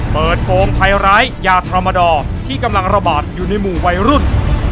โกงภัยร้ายยาธรรมดอร์ที่กำลังระบาดอยู่ในหมู่วัยรุ่น